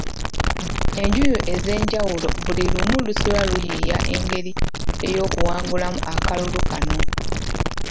Enjuyi ez'enjawulo buli lumu lusula luyiiya engeri ey'okuwangulamu akalulu kano.